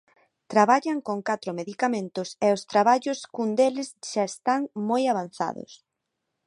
Traballan con catro medicamentos e os traballos cun deles xa están moi avanzados.